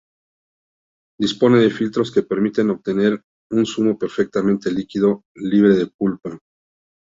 Dispone de filtros que permiten obtener un zumo perfectamente líquido, libre de pulpa.